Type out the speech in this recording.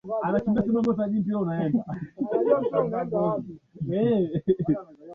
bonde la ufa linapatikana eneo la nyanda za juu kusini